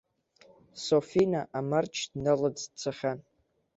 Софина амарч дналаӡ дцахьан.